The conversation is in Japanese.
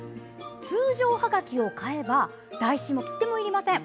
通常はがきを買えば台紙も切手もいりません。